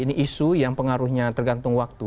ini isu yang pengaruhnya tergantung waktu